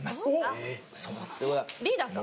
リーダーか。